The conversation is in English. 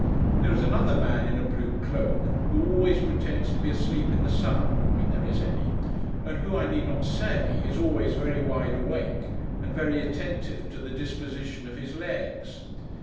There is another man in a blue cloak, who always pretends to be asleep in the sun (when there is any), and who, I need not say, is always very wide awake, and very attentive to the disposition of his legs.